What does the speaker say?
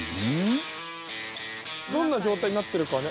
どんな状態になってるかね。